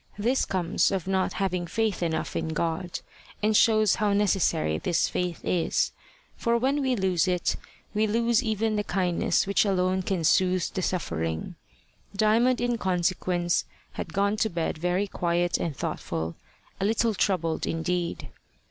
This comes of not having faith enough in God, and shows how necessary this faith is, for when we lose it, we lose even the kindness which alone can soothe the suffering. Diamond in consequence had gone to bed very quiet and thoughtful a little troubled indeed.